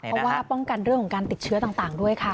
เพราะว่าป้องกันเรื่องของการติดเชื้อต่างด้วยค่ะ